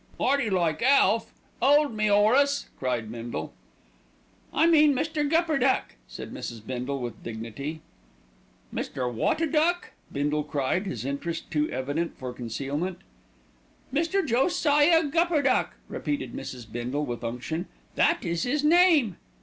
"'Earty like Alf! 'Old me, 'Orace!" cried Bindle. "I meant Mr. Gupperduck," said Mrs. Bindle with dignity. "Mr. Wot a duck!" Bindle cried, his interest too evident for concealment. "Mr. Josiah Gupperduck," repeated Mrs. Bindle with unction. "That is his name."